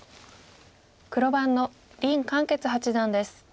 黒番の林漢傑八段です。